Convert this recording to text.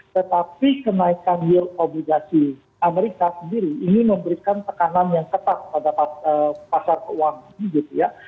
tetapi kenaikan yield obligasi amerika sendiri ini memberikan tekanan yang ketat pada pasar keuangan gitu ya